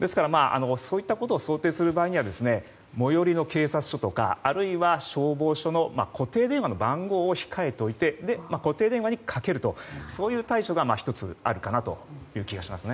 そういったことを想定する場合は最寄りの警察署や消防署の電話番号を控えておいて固定電話にかけるとそういう対処が１つあるかなという気がします。